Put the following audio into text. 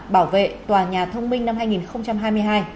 bảo vệ tòa nhà thông minh năm hai nghìn hai mươi hai